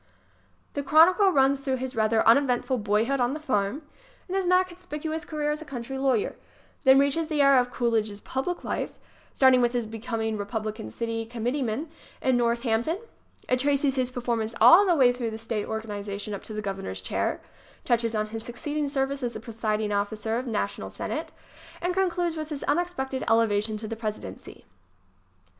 The chronicle runs through his rather uneventful boyhood on the farm and his not conspicuous career as a country lawyer; then reaches the era of Cool idge's public life ŌĆö starting with his becoming Re publican city committeeman in Northampton. It traces his performance all the way through the state organization up to the Governor's chair, touches on his succeeding service as presiding officer of the National Senate ŌĆö and concludes with his unex pected elevation to the Presidency.